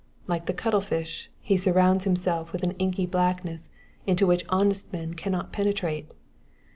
Like the cuttlefish, he surrounds himself with an inky blackness into which honest men cannot penetrate.